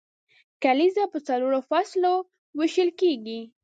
کلیزه په څلورو فصلو ویشل کیږي.